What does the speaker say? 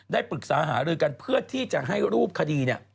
ได้ปรึกษาหารือกันเพื่อที่จะให้รูปคดีเนี่ย